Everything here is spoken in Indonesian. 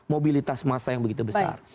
mobilitas masa yang begitu besar